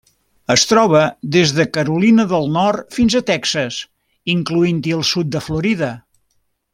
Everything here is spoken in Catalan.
Es troba des de Carolina del Nord fins a Texas, incloent-hi el sud de Florida.